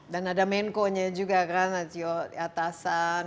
dan ada menko nya juga kan atasan